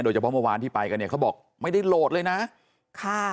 โดยเฉพาะเมื่อวานที่ไปกันเนี่ยเขาบอกไม่ได้โหลดเลยนะ